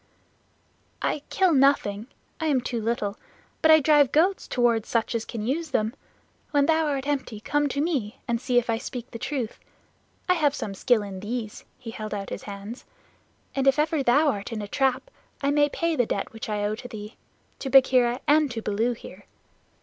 "I kill nothing, I am too little, but I drive goats toward such as can use them. When thou art empty come to me and see if I speak the truth. I have some skill in these [he held out his hands], and if ever thou art in a trap, I may pay the debt which I owe to thee, to Bagheera, and to Baloo, here.